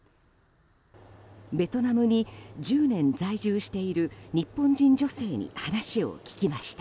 ベトナムに１０年在住している日本人女性に話を聞きました。